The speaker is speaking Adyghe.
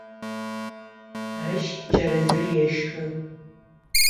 Ащ чэрэзыр ешхы.